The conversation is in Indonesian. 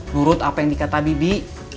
nurut apa yang di kata bibi